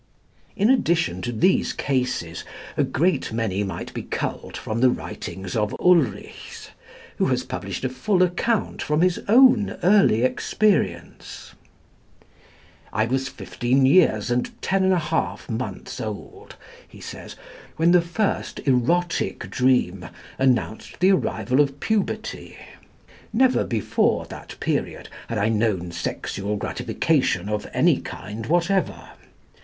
In addition to these cases a great many might be culled from the writings of Ulrichs, who has published a full account from his own early experience. "I was fifteen years and ten and a half months old," he says, "when the first erotic dream announced the arrival of puberty. Never before that period had I known sexual gratification of any kind whatever.